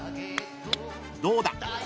［どうだ？］